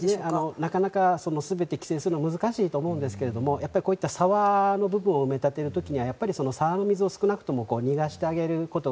なかなか全て規制するのは難しいと思うんですがこういった沢の部分を埋め立てる時には沢の水を少なくとも逃がしてあげる。